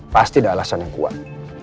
pasti ada alasan yang kuat